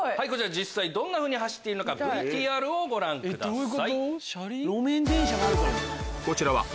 実際どんなふうに走っているのかＶＴＲをご覧ください。